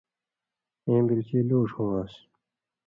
اېں بِلژی لُوڙ ہووان٘س